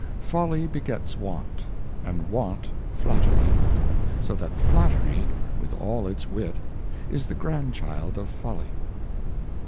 FOLLY begets Want, and Want Flattery ; so that Flattery, Flattery. with all its Wit, is the Grandchild of Folly.